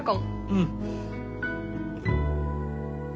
うん！